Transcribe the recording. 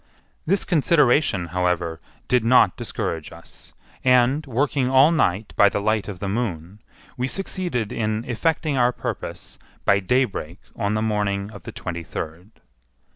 This consideration, however, did not discourage us; and, working all night by the light of the moon, we succeeded in effecting our purpose by daybreak on the morning of the twenty third.